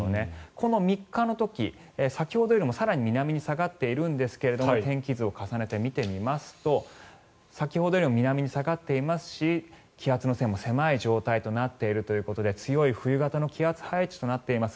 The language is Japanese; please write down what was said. この３日の時、先ほどよりも更に南に下がっているんですが天気図を重ねて見てみますと先ほどよりも南に下がっていますし気圧の線も狭い状態となっているということで強い冬型の気圧配置となっています。